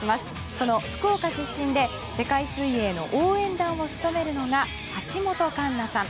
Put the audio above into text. その福岡出身で世界水泳の応援団を務めるのが橋本環奈さん。